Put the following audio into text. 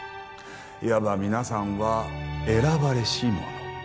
いわば皆さんは選ばれし者